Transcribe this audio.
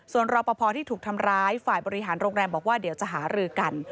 ส่วนรอปภที่ถูกทำร้ายฝ่ายบริหารโรงแรมบอกว่าเดี๋ยวจะหารือกัน